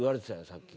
さっき。